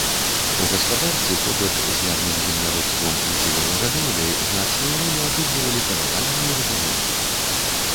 У гаспадарцы побач з лядным земляробствам і жывёлагадоўляй значную ролю адыгрывалі паляванне і рыбалоўства.